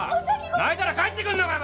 泣いたら返ってくんのかよ！？